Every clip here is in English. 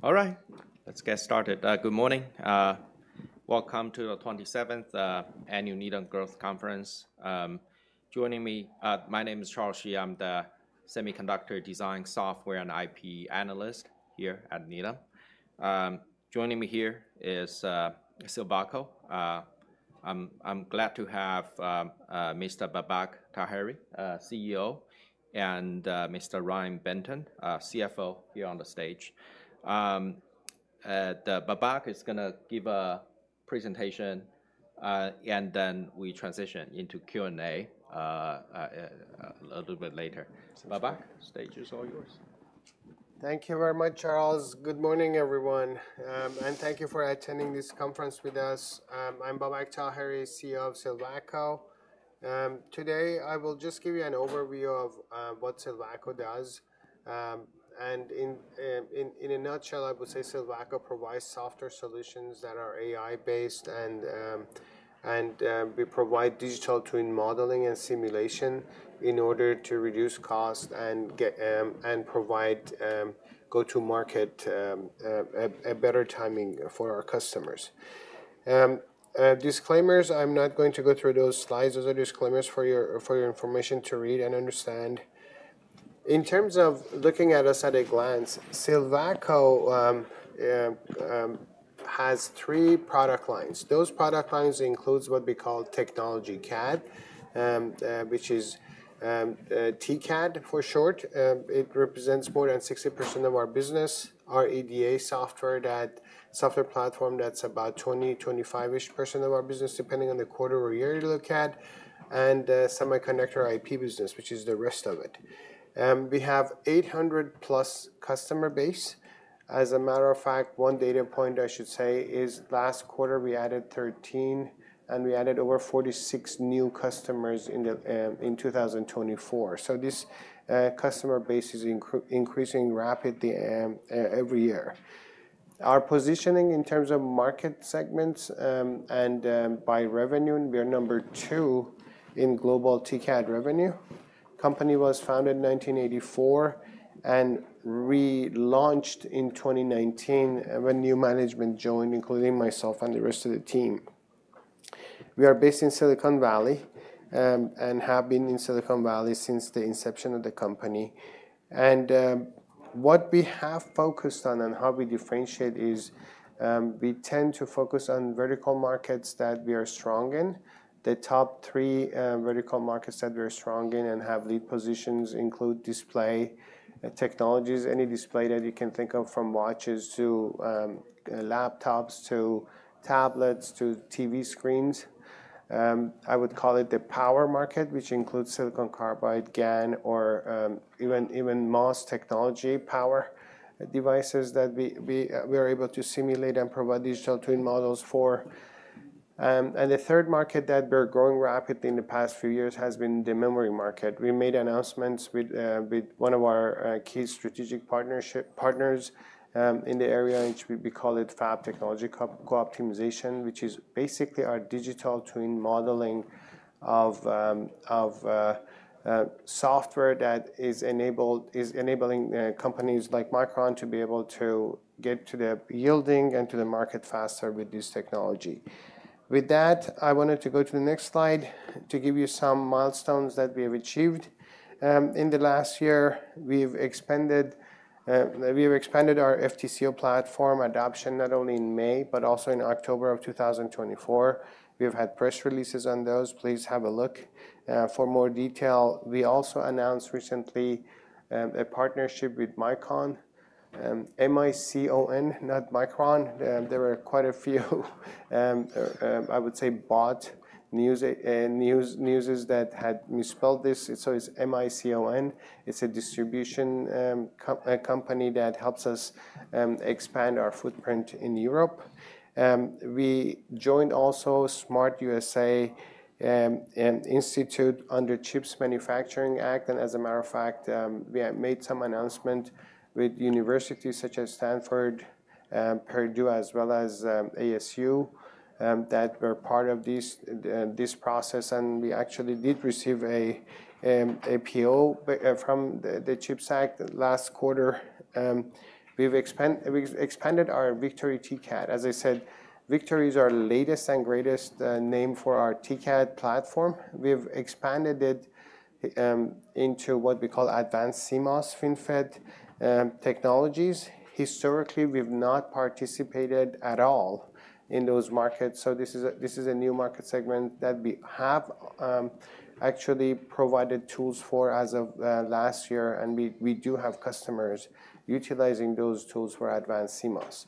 All right, let's get started. Good morning. Welcome to the 27th Annual Needham Growth Conference. Joining me, my name is Charles Shi. I'm the Semiconductor Design Software and IP Analyst here at Needham. Joining me here is Silvaco. I'm glad to have Mr. Babak Taheri, CEO, and Mr. Ryan Benton, CFO, here on the stage. Babak is going to give a presentation, and then we transition into Q&A a little bit later. Babak, stage is all yours. Thank you very much, Charles. Good morning, everyone. And thank you for attending this conference with us. I'm Babak Taheri, CEO of Silvaco. Today, I will just give you an overview of what Silvaco does. And in a nutshell, I would say Silvaco provides software solutions that are AI-based, and we provide digital twin modeling and simulation in order to reduce cost and provide go-to-market, a better timing for our customers. Disclaimers. I'm not going to go through those slides. Those are disclaimers for your information to read and understand. In terms of looking at us at a glance, Silvaco has three product lines. Those product lines include what we call Technology CAD, which is TCAD for short. It represents more than 60% of our business. Our EDA software platform, that's about 20%-25% of our business, depending on the quarter or year you look at. And semiconductor IP business, which is the rest of it. We have 800-plus customer base. As a matter of fact, one data point I should say is last quarter, we added 13, and we added over 46 new customers in 2024. So this customer base is increasing rapidly every year. Our positioning in terms of market segments and by revenue, we are number two in global TCAD revenue. The company was founded in 1984 and relaunched in 2019 when new management joined, including myself and the rest of the team. We are based in Silicon Valley and have been in Silicon Valley since the inception of the company. And what we have focused on and how we differentiate is we tend to focus on vertical markets that we are strong in. The top three vertical markets that we are strong in and have lead positions include display technologies, any display that you can think of, from watches to laptops to tablets to TV screens. I would call it the power market, which includes silicon carbide, GaN, or even MOS technology, power devices that we are able to simulate and provide digital twin models for, and the third market that we're growing rapidly in the past few years has been the memory market. We made announcements with one of our key strategic partners in the area, which we call it Fab Technology Co-optimization, which is basically our digital twin modeling of software that is enabling companies like Micron to be able to get to the yielding and to the market faster with this technology. With that, I wanted to go to the next slide to give you some milestones that we have achieved. In the last year, we have expanded our FTCO Platform adoption not only in May, but also in October of 2024. We have had press releases on those. Please have a look for more detail. We also announced recently a partnership with Micon, M-I-C-O-N, not Micron. There were quite a few, I would say, bot newses that had misspelled this. So it's M-I-C-O-N. It's a distribution company that helps us expand our footprint in Europe. We joined also SMART USA Institute under the CHIPS and Science Act. As a matter of fact, we have made some announcements with universities such as Stanford, Purdue, as well as ASU that were part of this process. We actually did receive a PO from the CHIPS Act last quarter. We've expanded our Victory TCAD. As I said, Victory is our latest and greatest name for our TCAD platform. We have expanded it into what we call advanced CMOS FinFET technologies. Historically, we've not participated at all in those markets. So this is a new market segment that we have actually provided tools for as of last year. And we do have customers utilizing those tools for advanced CMOS.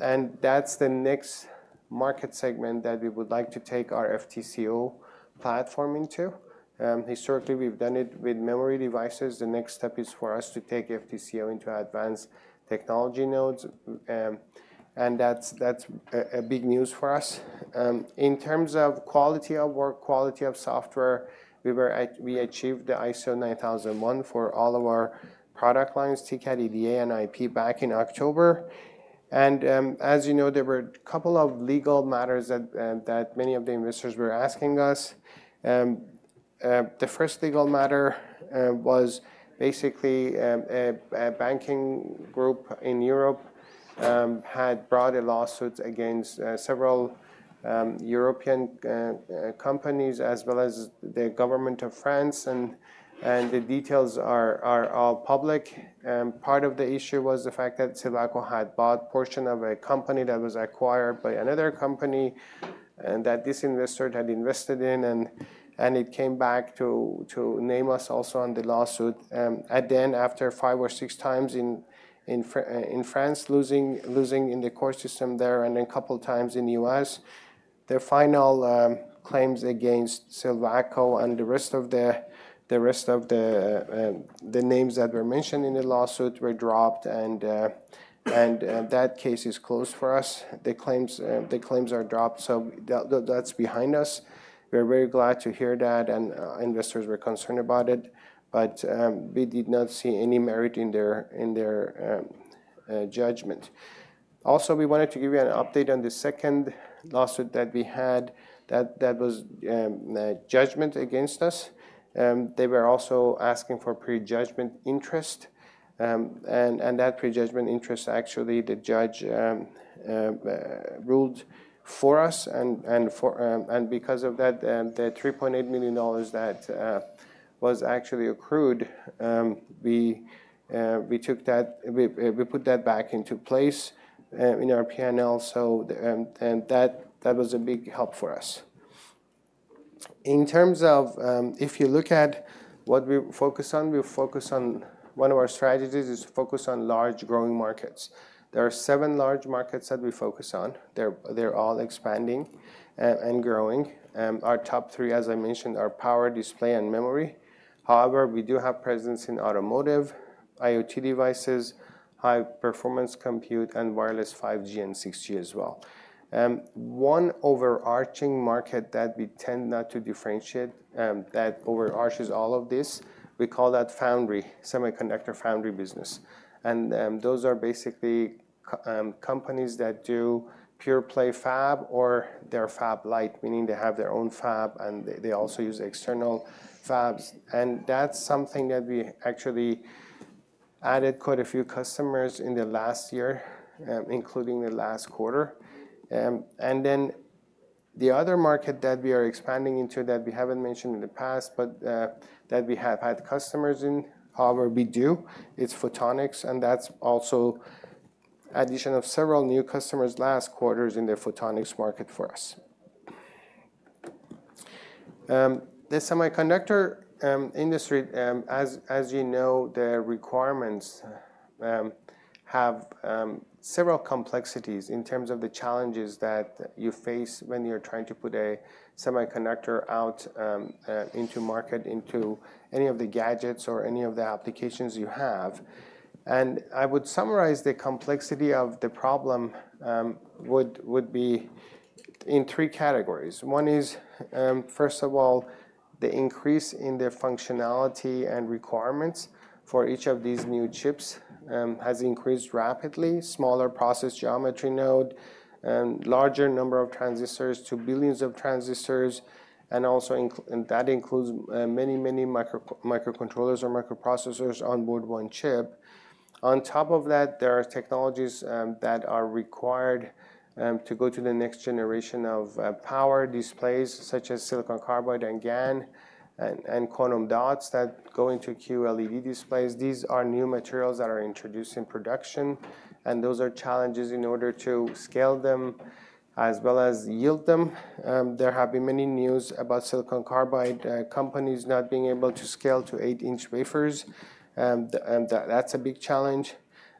And that's the next market segment that we would like to take our FTCO platform into. Historically, we've done it with memory devices. The next step is for us to take FTCO into advanced technology nodes. And that's big news for us. In terms of quality of work, quality of software, we achieved the ISO 9001 for all of our product lines, TCAD, EDA, and IP back in October. And as you know, there were a couple of legal matters that many of the investors were asking us. The first legal matter was basically a banking group in Europe had brought a lawsuit against several European companies, as well as the government of France. And the details are all public. Part of the issue was the fact that Silvaco had bought a portion of a company that was acquired by another company that this investor had invested in. And it came back to name us also on the lawsuit. At the end, after five or six times in France losing in the court system there, and then a couple of times in the U.S., the final claims against Silvaco and the rest of the names that were mentioned in the lawsuit were dropped. And that case is closed for us. The claims are dropped. So that's behind us. We're very glad to hear that. And investors were concerned about it. But we did not see any merit in their judgment. Also, we wanted to give you an update on the second lawsuit that we had that was a judgment against us. They were also asking for prejudgment interest. And that prejudgment interest, actually, the judge ruled for us. And because of that, the $3.8 million that was actually accrued, we put that back into place in our P&L. So that was a big help for us. In terms of if you look at what we focus on, we focus on one of our strategies is to focus on large growing markets. There are seven large markets that we focus on. They're all expanding and growing. Our top three, as I mentioned, are power, display, and memory. However, we do have presence in automotive, IoT devices, high-performance compute, and wireless 5G and 6G as well. One overarching market that we tend not to differentiate that overarches all of this, we call that foundry, semiconductor foundry business. And those are basically companies that do pure-play fab or they're fab-light, meaning they have their own fab, and they also use external fabs. And that's something that we actually added quite a few customers in the last year, including the last quarter. And then the other market that we are expanding into that we haven't mentioned in the past, but that we have had customers in, however, we do, it's photonics. And that's also the addition of several new customers last quarter in the photonics market for us. The semiconductor industry, as you know, the requirements have several complexities in terms of the challenges that you face when you're trying to put a semiconductor out into market, into any of the gadgets or any of the applications you have, and I would summarize the complexity of the problem would be in three categories. One is, first of all, the increase in the functionality and requirements for each of these new chips has increased rapidly, smaller process geometry node, larger number of transistors to billions of transistors, and also that includes many, many microcontrollers or microprocessors on board one chip. On top of that, there are technologies that are required to go to the next generation of power displays, such as silicon carbide and GaN and quantum dots that go into QLED displays. These are new materials that are introduced in production. Those are challenges in order to scale them as well as yield them. There have been many news about Silicon Carbide companies not being able to scale to 8-inch wafers. That's a big challenge.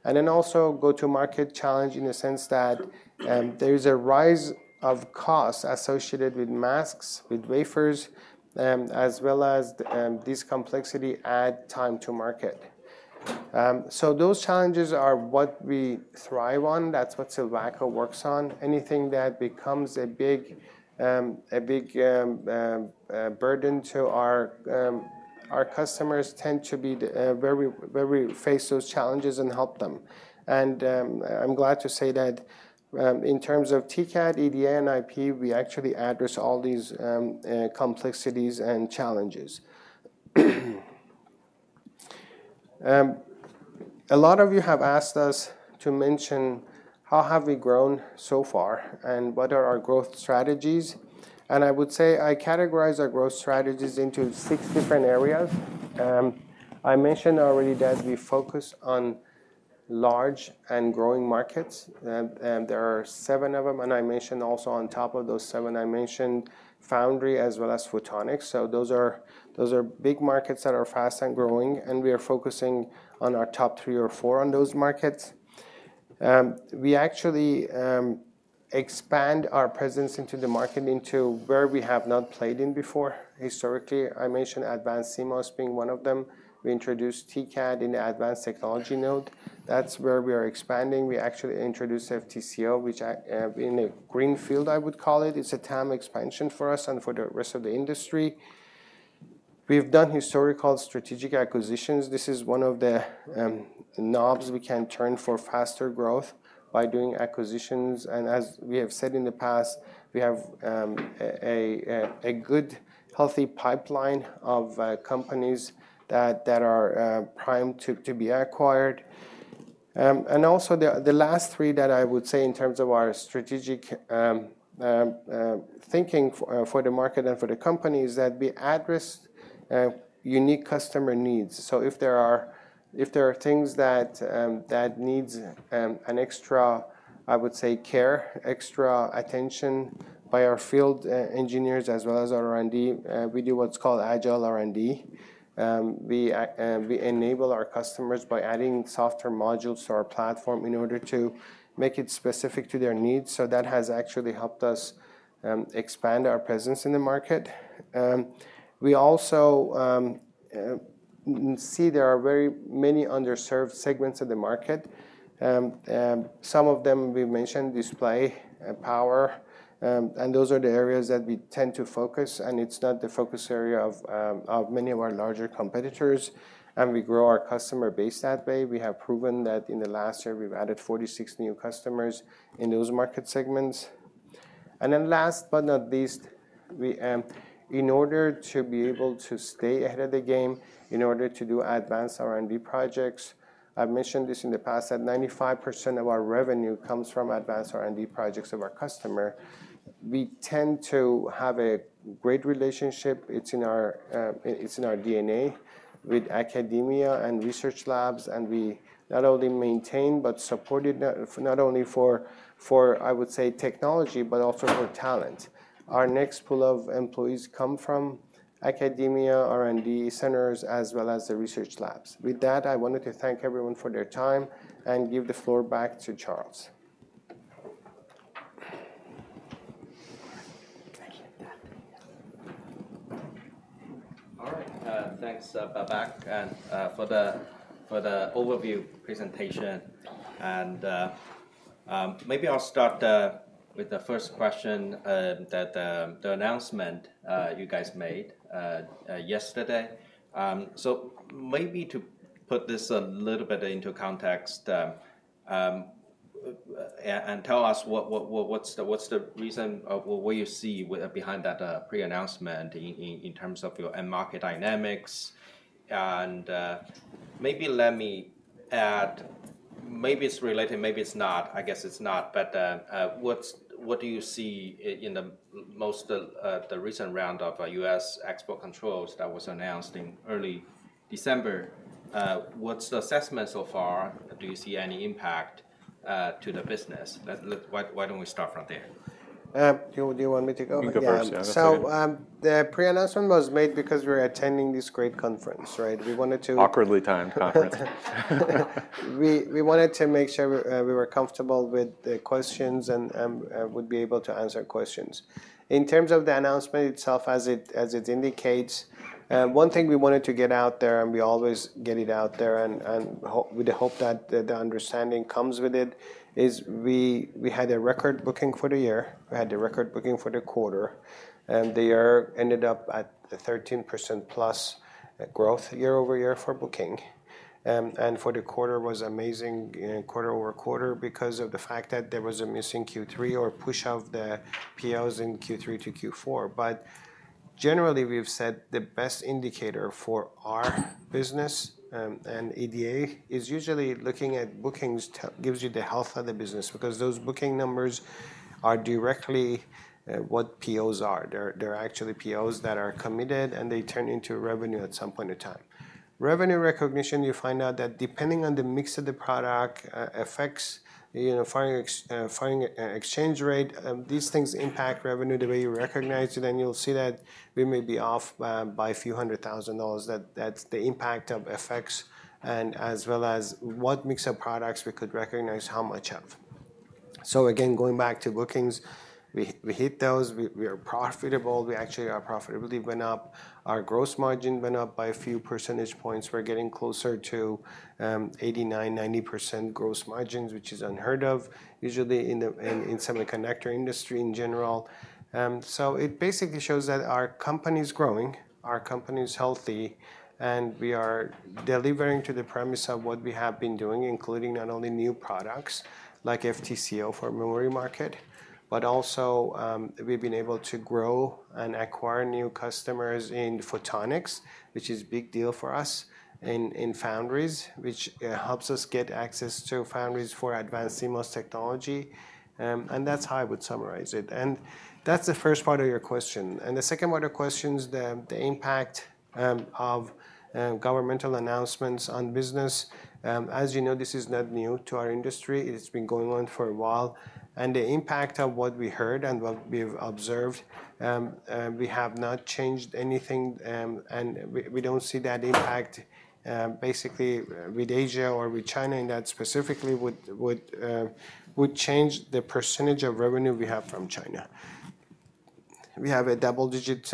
Then also go-to-market challenge in the sense that there is a rise of costs associated with masks, with wafers, as well as this complexity at time to market. Those challenges are what we thrive on. That's what Silvaco works on. Anything that becomes a big burden to our customers tends to be where we face those challenges and help them. I'm glad to say that in terms of TCAD, EDA, and IP, we actually address all these complexities and challenges. A lot of you have asked us to mention how have we grown so far and what are our growth strategies. I would say I categorize our growth strategies into six different areas. I mentioned already that we focus on large and growing markets. There are seven of them. I mentioned also on top of those seven, I mentioned foundry as well as photonics. So those are big markets that are fast and growing. We are focusing on our top three or four on those markets. We actually expand our presence into the market into where we have not played in before. Historically, I mentioned advanced CMOS being one of them. We introduced TCAD in the advanced technology node. That's where we are expanding. We actually introduced FTCO, which in a greenfield, I would call it. It's a time expansion for us and for the rest of the industry. We've done historical strategic acquisitions. This is one of the knobs we can turn for faster growth by doing acquisitions, and as we have said in the past, we have a good, healthy pipeline of companies that are primed to be acquired. And also the last three that I would say in terms of our strategic thinking for the market and for the company is that we address unique customer needs. So if there are things that need an extra, I would say, care, extra attention by our field engineers as well as our R&D, we do what's called agile R&D. We enable our customers by adding software modules to our platform in order to make it specific to their needs. So that has actually helped us expand our presence in the market. We also see there are very many underserved segments of the market. Some of them we've mentioned display, power. Those are the areas that we tend to focus. It's not the focus area of many of our larger competitors. We grow our customer base that way. We have proven that in the last year, we've added 46 new customers in those market segments. Then last but not least, in order to be able to stay ahead of the game in order to do advanced R&D projects, I've mentioned this in the past that 95% of our revenue comes from advanced R&D projects of our customer. We tend to have a great relationship. It's in our DNA with academia and research labs. We not only maintain but support it not only for, I would say, technology, but also for talent. Our next pool of employees come from academia, R&D centers, as well as the research labs. With that, I wanted to thank everyone for their time and give the floor back to Charles. All right. Thanks, Babak, for the overview presentation. And maybe I'll start with the first question, the announcement you guys made yesterday. So maybe to put this a little bit into context and tell us what's the reason or what you see behind that pre-announcement in terms of your end market dynamics. And maybe let me add, maybe it's related, maybe it's not. I guess it's not. But what do you see in the most recent round of U.S. export controls that was announced in early December? What's the assessment so far? Do you see any impact to the business? Why don't we start from there? Do you want me to go? You can first. So the pre-announcement was made because we were attending this great conference, right? We wanted to. Awkwardly timed conference. We wanted to make sure we were comfortable with the questions and would be able to answer questions. In terms of the announcement itself, as it indicates, one thing we wanted to get out there, and we always get it out there with the hope that the understanding comes with it, is we had a record booking for the year. We had a record booking for the quarter. And the year ended up at 13% plus growth year over year for booking. And for the quarter, it was amazing quarter over quarter because of the fact that there was a missing Q3 or push of the POs in Q3 to Q4. But generally, we've said the best indicator for our business and EDA is usually looking at bookings gives you the health of the business because those booking numbers are directly what POs are. They're actually POs that are committed, and they turn into revenue at some point in time. Revenue recognition, you find out that depending on the mix of the product, FX effects, foreign exchange rate, these things impact revenue the way you recognize it. And you'll see that we may be off by a few hundred thousand dollars. That's the impact of FX effects and as well as what mix of products we could recognize how much of. So again, going back to bookings, we hit those. We are profitable. We actually, our profitability went up. Our gross margin went up by a few percentage points. We're getting closer to 89%-90% gross margins, which is unheard of usually in the semiconductor industry in general. So it basically shows that our company is growing, our company is healthy, and we are delivering to the promise of what we have been doing, including not only new products like FTCO for memory market, but also we've been able to grow and acquire new customers in photonics, which is a big deal for us in foundries, which helps us get access to foundries for advanced CMOS technology. And that's how I would summarize it. And that's the first part of your question. And the second part of the question, the impact of governmental announcements on business. As you know, this is not new to our industry. It's been going on for a while. And the impact of what we heard and what we've observed, we have not changed anything. And we don't see that impact basically with Asia or with China in that specifically would change the percentage of revenue we have from China. We have a double-digit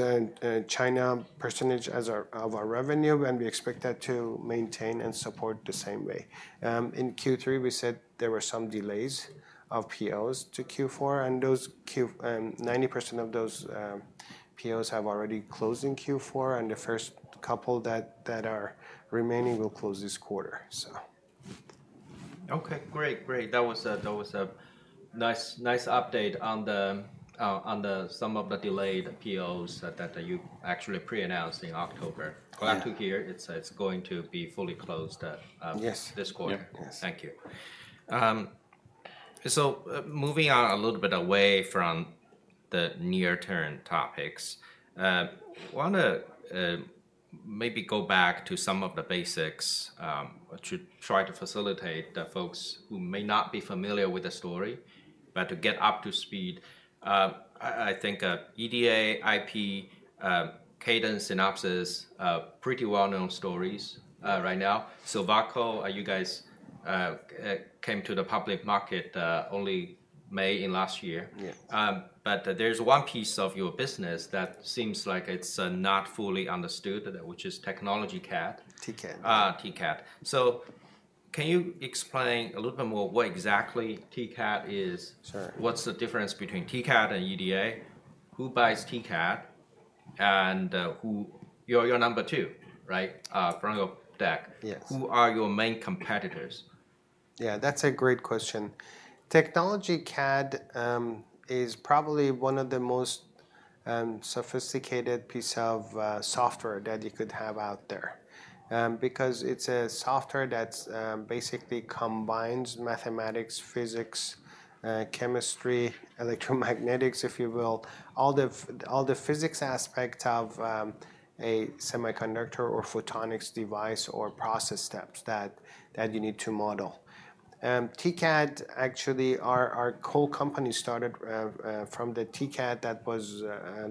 China percentage of our revenue, and we expect that to maintain and support the same way. In Q3, we said there were some delays of POs to Q4. And 90% of those POs have already closed in Q4. And the first couple that are remaining will close this quarter, so. Okay. Great. Great. That was a nice update on some of the delayed POs that you actually pre-announced in October. Glad to hear it's going to be fully closed this quarter. Yes. Thank you. So moving on a little bit away from the near-term topics, I want to maybe go back to some of the basics to try to facilitate the folks who may not be familiar with the story, but to get up to speed. I think EDA, IP, Cadence, Synopsys, pretty well-known stories right now. Silvaco, you guys came to the public market only May in last year. But there's one piece of your business that seems like it's not fully understood, which is technology CAD. TCAD. TCAD. So can you explain a little bit more what exactly TCAD is? What's the difference between TCAD and EDA? Who buys TCAD? And you're number two, right, from your deck. Who are your main competitors? Yeah, that's a great question. Technology CAD is probably one of the most sophisticated pieces of software that you could have out there because it's a software that basically combines mathematics, physics, chemistry, electromagnetics, if you will, all the physics aspects of a semiconductor or photonics device or process steps that you need to model. TCAD, actually, our whole company started from the TCAD that was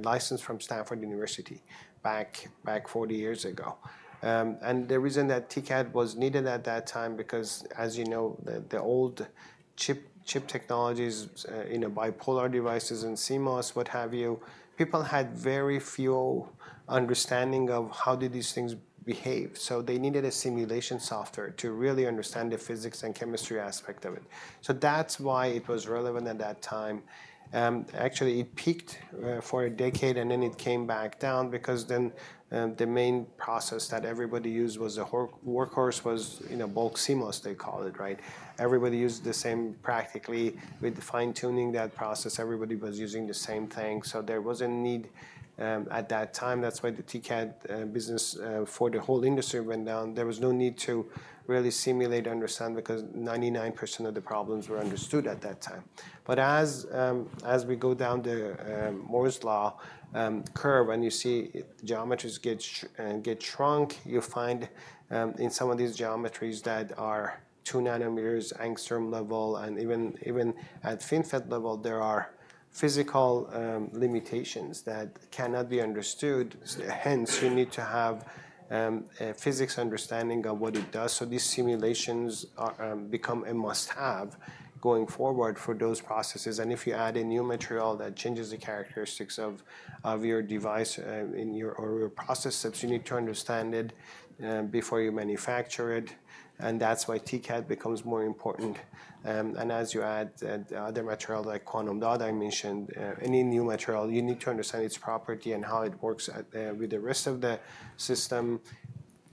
licensed from Stanford University back 40 years ago. And the reason that TCAD was needed at that time because, as you know, the old chip technologies in bipolar devices and CMOS, what have you, people had very few understanding of how do these things behave. So they needed a simulation software to really understand the physics and chemistry aspect of it. So that's why it was relevant at that time. Actually, it peaked for a decade, and then it came back down because then the main process that everybody used was a workhorse was bulk CMOS, they call it, right? Everybody used the same practically. With fine-tuning that process, everybody was using the same thing. So there was a need at that time. That's why the TCAD business for the whole industry went down. There was no need to really simulate or understand because 99% of the problems were understood at that time. But as we go down the Moore's Law curve, and you see geometries get shrunk, you find in some of these geometries that are two nanometers angstrom level. And even at FinFET level, there are physical limitations that cannot be understood. Hence, you need to have a physics understanding of what it does. So these simulations become a must-have going forward for those processes. If you add a new material that changes the characteristics of your device or your process steps, you need to understand it before you manufacture it. That's why TCAD becomes more important. As you add other material like quantum dot, I mentioned any new material, you need to understand its property and how it works with the rest of the system.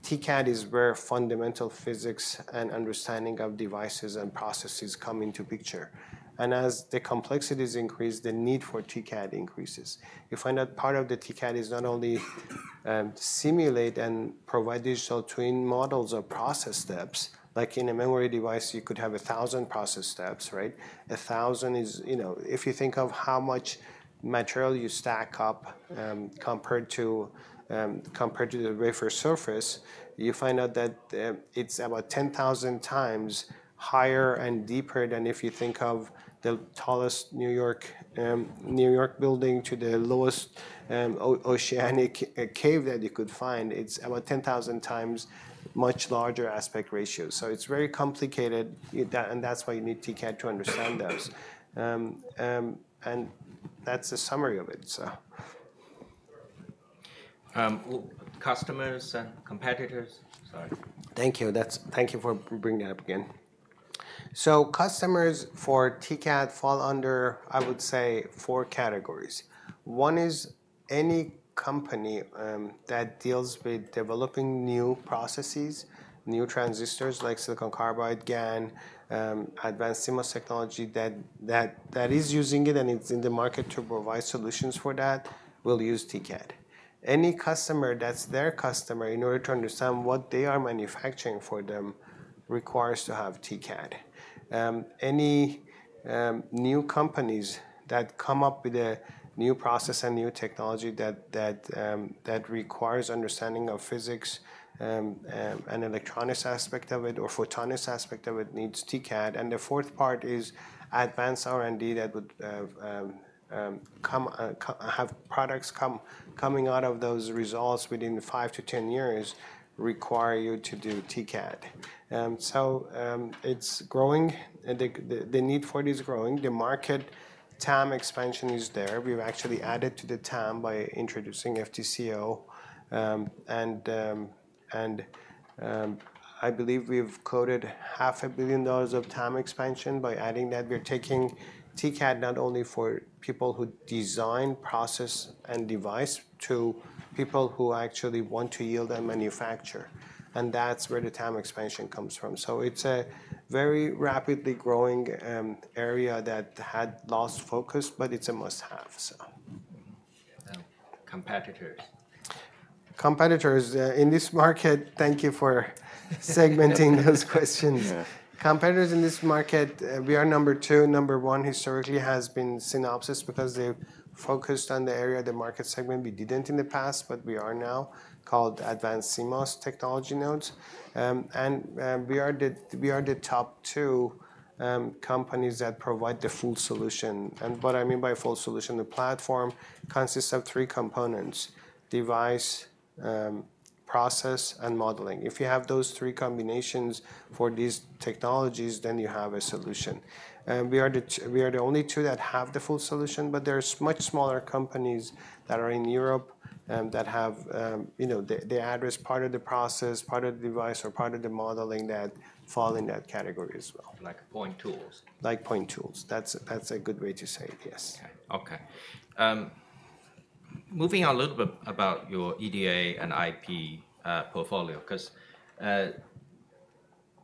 TCAD is where fundamental physics and understanding of devices and processes come into picture. As the complexities increase, the need for TCAD increases. You find that part of the TCAD is not only simulate and provide digital twin models of process steps. Like in a memory device, you could have 1,000 process steps, right? 1,000 is if you think of how much material you stack up compared to the wafer surface, you find out that it's about 10,000 times higher and deeper than if you think of the tallest New York building to the lowest oceanic cave that you could find. It's about 10,000 times much larger aspect ratio. So it's very complicated, and that's why you need TCAD to understand those. And that's the summary of it, so. Customers and competitors. Sorry. Thank you. Thank you for bringing it up again. So customers for TCAD fall under, I would say, four categories. One is any company that deals with developing new processes, new transistors like silicon carbide, GaN, advanced CMOS technology that is using it and it's in the market to provide solutions for that will use TCAD. Any customer that's their customer in order to understand what they are manufacturing for them requires to have TCAD. Any new companies that come up with a new process and new technology that requires understanding of physics and electronics aspect of it or photonics aspect of it needs TCAD. And the fourth part is advanced R&D that would have products coming out of those results within 5 to 10 years require you to do TCAD. So it's growing. The need for it is growing. The market TAM expansion is there. We've actually added to the TAM by introducing FTCO. And I believe we've quoted $500 million of TAM expansion by adding that. We're taking TCAD not only for people who design, process, and device to people who actually want to yield and manufacture. And that's where the TAM expansion comes from. So it's a very rapidly growing area that had lost focus, but it's a must-have, so. Competitors. Competitors in this market, thank you for segmenting those questions. Competitors in this market, we are number two. Number one historically has been Synopsys because they've focused on the area, the market segment we didn't in the past, but we are now called advanced CMOS technology nodes. And we are the top two companies that provide the full solution. And what I mean by full solution, the platform consists of three components: device, process, and modeling. If you have those three combinations for these technologies, then you have a solution. We are the only two that have the full solution, but there are much smaller companies that are in Europe that have the address part of the process, part of the device, or part of the modeling that fall in that category as well. Like point tools? Like point tools. That's a good way to say it, yes. Okay. Moving on a little bit about your EDA and IP portfolio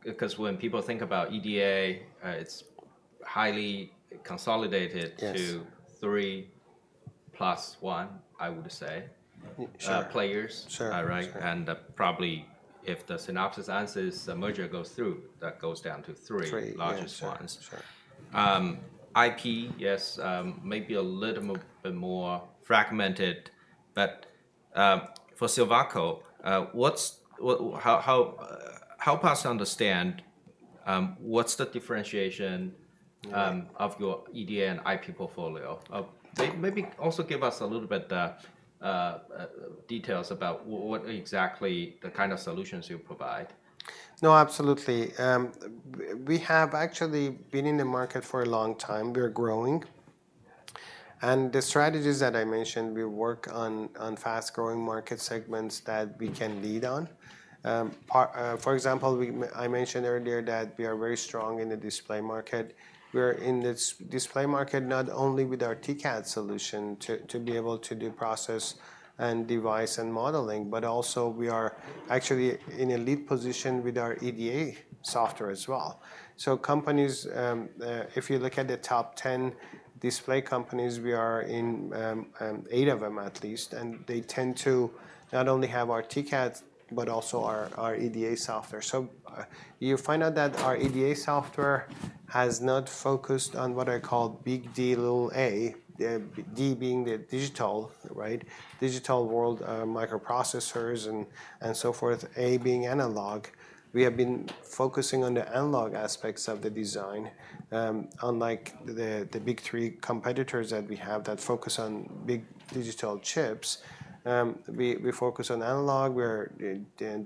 because when people think about EDA, it's highly consolidated to three plus one, I would say, players. Sure. Right? And probably if the Synopsys-Ansys merger goes through, that goes down to three largest ones. Three. IP, yes, maybe a little bit more fragmented. But for Silvaco, help us understand what's the differentiation of your EDA and IP portfolio? Maybe also give us a little bit of details about what exactly the kind of solutions you provide. No, absolutely. We have actually been in the market for a long time. We're growing. And the strategies that I mentioned, we work on fast-growing market segments that we can lead on. For example, I mentioned earlier that we are very strong in the display market. We're in the display market not only with our TCAD solution to be able to do process and device and modeling, but also we are actually in a lead position with our EDA software as well. So companies, if you look at the top 10 display companies, we are in eight of them at least. And they tend to not only have our TCAD, but also our EDA software. So you find out that our EDA software has not focused on what I call big D, little a, D being the digital, right? Digital world, microprocessors, and so forth, a being analog. We have been focusing on the analog aspects of the design, unlike the big three competitors that we have that focus on big digital chips. We focus on analog. We're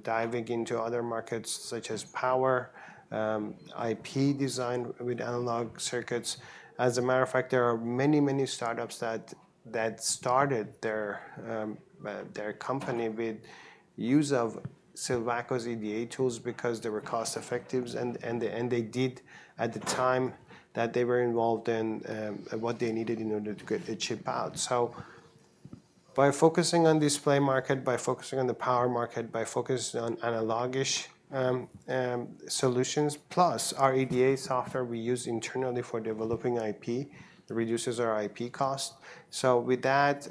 diving into other markets such as power, IP design with analog circuits. As a matter of fact, there are many, many startups that started their company with use of Silvaco's EDA tools because they were cost-effective, and they did at the time that they were involved in what they needed in order to get the chip out, so by focusing on display market, by focusing on the power market, by focusing on analog-ish solutions, plus our EDA software we use internally for developing IP reduces our IP cost, so with that,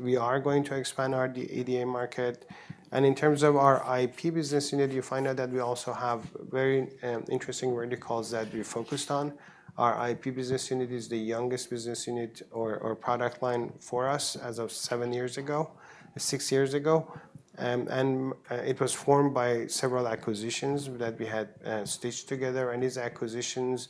we are going to expand our EDA market. In terms of our IP business unit, you find out that we also have very interesting verticals that we focused on. Our IP business unit is the youngest business unit or product line for us as of seven years ago, six years ago. It was formed by several acquisitions that we had stitched together. These acquisitions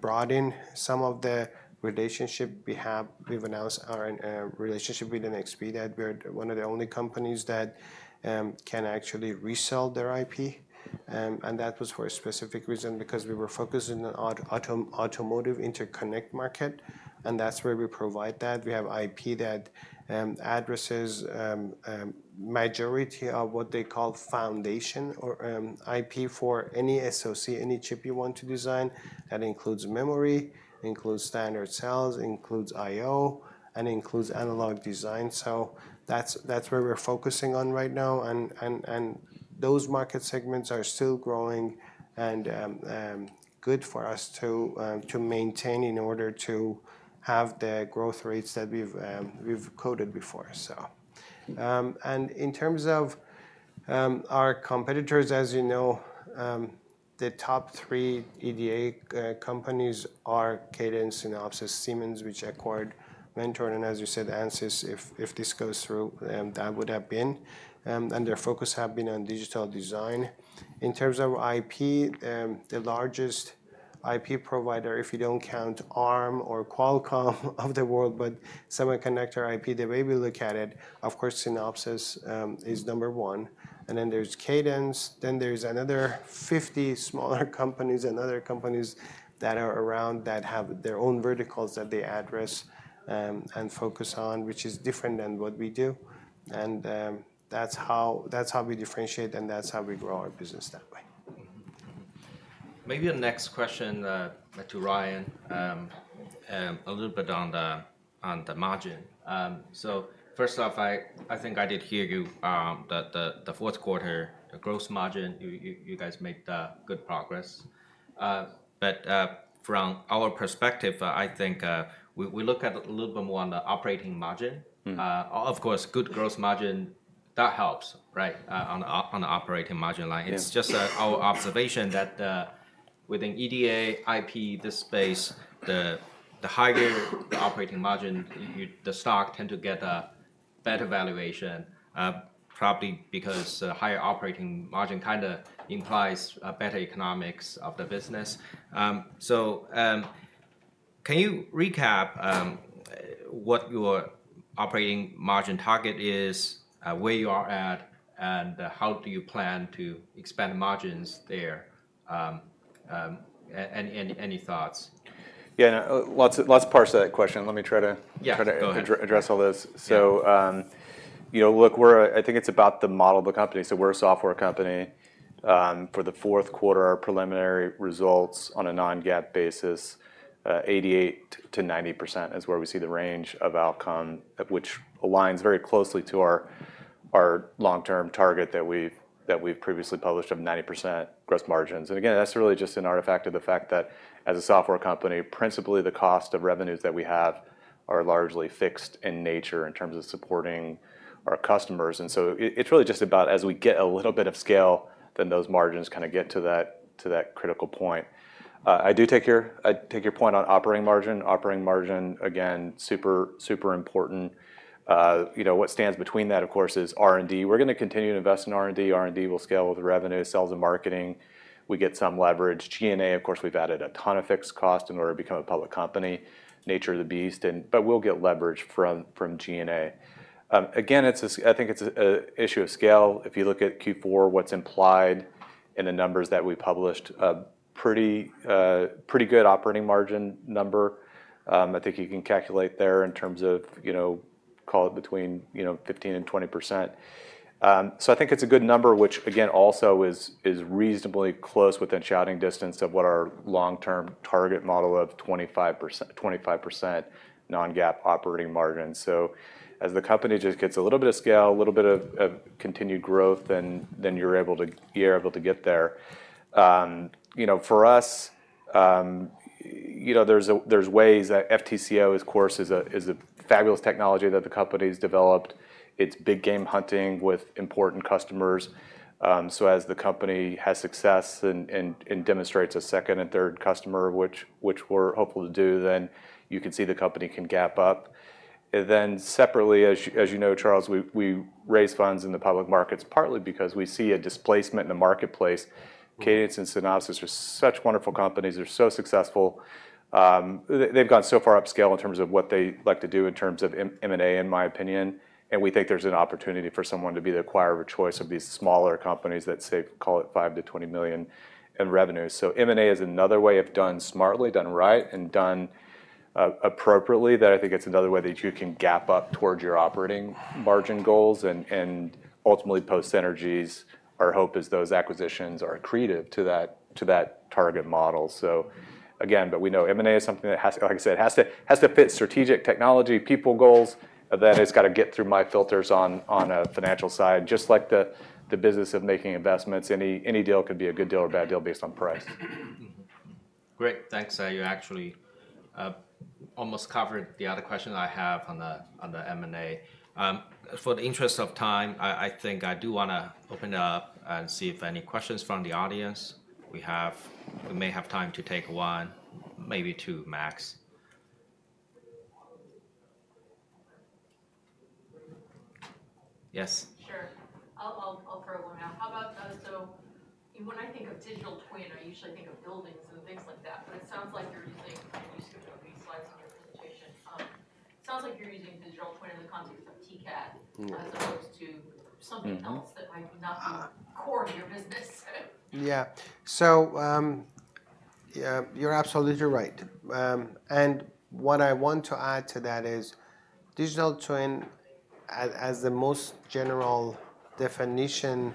brought in some of the relationship we have. We've announced our relationship with NXP that we're one of the only companies that can actually resell their IP. That was for a specific reason because we were focusing on automotive interconnect market. That's where we provide that. We have IP that addresses the majority of what they call Foundation IP for any SoC, any chip you want to design. That includes memory, includes standard cells, includes I/Os, and includes analog design. That's where we're focusing on right now. Those market segments are still growing and good for us to maintain in order to have the growth rates that we've quoted before, so. In terms of our competitors, as you know, the top three EDA companies are Cadence, Synopsys, Siemens, which acquired Mentor, and as you said, Ansys, if this goes through, that would have been. Their focus has been on digital design. In terms of IP, the largest IP provider, if you don't count Arm or Qualcomm of the world, but semiconductor IP, the way we look at it, of course, Synopsys is number one. And then there's Cadence. Then there's another 50 smaller companies, and other companies that are around that have their own verticals that they address and focus on, which is different than what we do. And that's how we differentiate, and that's how we grow our business that way. Maybe a next question to Ryan, a little bit on the margin. So first off, I think I did hear you that the fourth quarter, the gross margin, you guys made good progress. But from our perspective, I think we look at a little bit more on the operating margin. Of course, good gross margin, that helps, right, on the operating margin line. It's just our observation that within EDA, IP, this space, the higher the operating margin, the stock tends to get a better valuation, probably because higher operating margin kind of implies better economics of the business. So can you recap what your operating margin target is, where you are at, and how do you plan to expand margins there? Any thoughts? Yeah, lots of parts of that question. Let me try to address all this. So look, I think it's about the model of the company. So we're a software company. For the fourth quarter, our preliminary results on a non-GAAP basis, 88%-90% is where we see the range of outcome, which aligns very closely to our long-term target that we've previously published of 90% gross margins. And again, that's really just an artifact of the fact that as a software company, principally, the cost of revenues that we have are largely fixed in nature in terms of supporting our customers. And so it's really just about as we get a little bit of scale, then those margins kind of get to that critical point. I do take your point on operating margin. Operating margin, again, super important. What stands between that, of course, is R&D. We're going to continue to invest in R&D. R&D will scale with revenue, sales and marketing. We get some leverage. G&A, of course, we've added a ton of fixed cost in order to become a public company. Nature of the beast. But we'll get leverage from G&A. Again, I think it's an issue of scale. If you look at Q4, what's implied in the numbers that we published, pretty good operating margin number. I think you can calculate there in terms of call it between 15%-20%. So I think it's a good number, which again, also is reasonably close within shouting distance of what our long-term target model of 25% non-GAAP operating margin. So as the company just gets a little bit of scale, a little bit of continued growth, then you're able to get there. For us, there's ways that FTCO, of course, is a fabulous technology that the company has developed. It's big game hunting with important customers. So as the company has success and demonstrates a second and third customer, which we're hopeful to do, then you can see the company can gap up. And then separately, as you know, Charles, we raise funds in the public markets partly because we see a displacement in the marketplace. Cadence and Synopsys are such wonderful companies. They're so successful. They've gone so far upscale in terms of what they like to do in terms of M&A, in my opinion. And we think there's an opportunity for someone to be the acquirer of a choice of these smaller companies that save, call it, $5 million-$20 million in revenue. So, M&A is another way of doing smartly, done right, and done appropriately that I think it's another way that you can gap up towards your operating margin goals. And ultimately, post-acquisitions, our hope is those acquisitions are accretive to that target model. So again, but we know M&A is something that, like I said, has to fit strategic technology, people goals. That has got to get through my filters on a financial side, just like the business of making investments. Any deal could be a good deal or bad deal based on price. Great. Thanks. You actually almost covered the other question I have on the M&A. For the interest of time, I think I do want to open it up and see if any questions from the audience. We may have time to take one, maybe two max. Yes? Sure. I'll throw one out. How about so when I think of digital twin, I usually think of buildings and things like that. But it sounds like you're using, and you skipped a few slides in your presentation, it sounds like you're using digital twin in the context of TCAD as opposed to something else that might not be core to your business. Yeah. So you're absolutely right. And what I want to add to that is digital twin as the most general definition.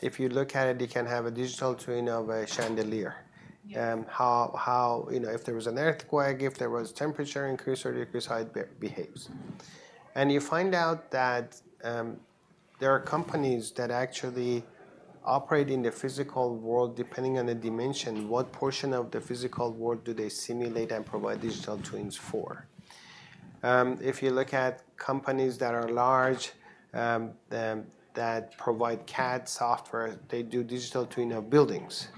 If you look at it, you can have a digital twin of a chandelier. If there was an earthquake, if there was temperature increase or decrease, how it behaves. And you find out that there are companies that actually operate in the physical world, depending on the dimension, what portion of the physical world do they simulate and provide digital twins for. If you look at companies that are large that provide CAD software, they do digital twin of buildings.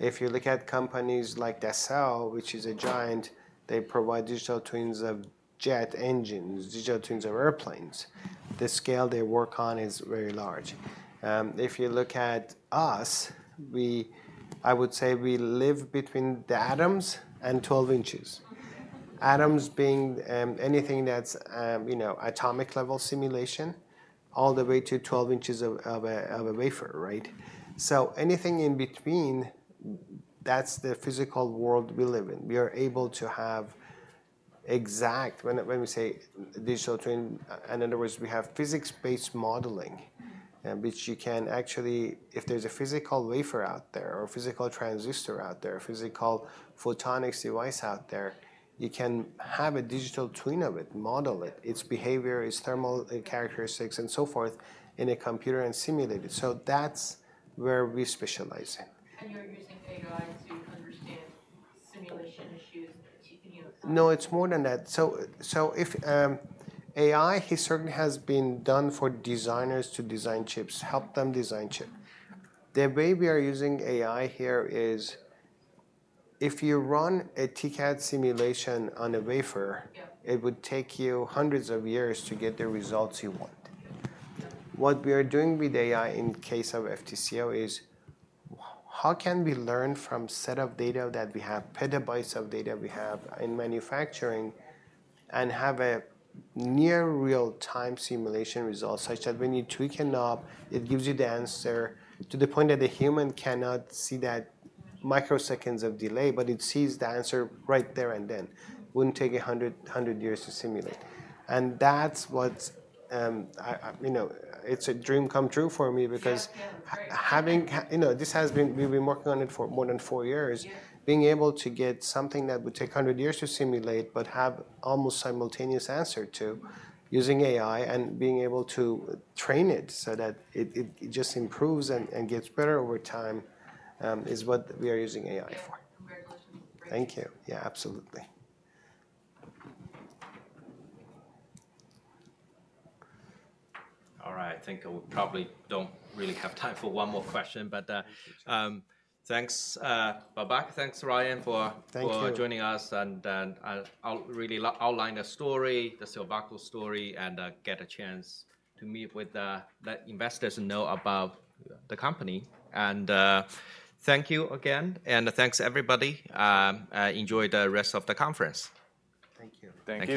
If you look at companies like Dassault, which is a giant, they provide digital twins of jet engines, digital twins of airplanes. The scale they work on is very large. If you look at us, I would say we live between the atoms and 12 inches. Atoms being anything that's atomic level simulation all the way to 12 inches of a wafer, right? So anything in between, that's the physical world we live in. We are able to have exact, when we say digital twin, in other words, we have physics-based modeling, which you can actually, if there's a physical wafer out there or a physical transistor out there, a physical photonics device out there, you can have a digital twin of it, model it, its behavior, its thermal characteristics, and so forth in a computer and simulate it. So that's where we specialize in. You're using AI to understand simulation issues? No, it's more than that. So AI, it certainly has been done for designers to design chips, help them design chips. The way we are using AI here is if you run a TCAD simulation on a wafer, it would take you hundreds of years to get the results you want. What we are doing with AI in case of FTCO is how can we learn from a set of data that we have, petabytes of data we have in manufacturing, and have a near real-time simulation result such that when you tweak a knob, it gives you the answer to the point that the human cannot see that microseconds of delay, but it sees the answer right there and then. It wouldn't take 100 years to simulate. It's a dream come true for me because we've been working on it for more than four years, being able to get something that would take 100 years to simulate but have almost simultaneous answer to using AI and being able to train it so that it just improves and gets better over time is what we are using AI for. Very good. Thank you. Yeah, absolutely. All right. I think we probably don't really have time for one more question, but thanks, Babak. Thanks, Ryan, for joining us. Thank you. I'll really outline a story, the Silvaco story, and get a chance to meet with the investors and know about the company. Thank you again. Thanks, everybody. Enjoy the rest of the conference. Thank you. Thank you.